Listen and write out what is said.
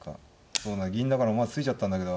そう銀だから思わず突いちゃったんだけど。